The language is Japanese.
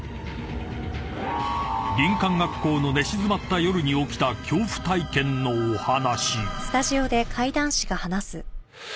［林間学校の寝静まった夜に起きた恐怖体験のお話］